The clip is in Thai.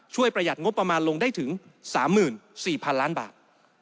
ประหยัดงบประมาณลงได้ถึง๓๔๐๐๐ล้านบาท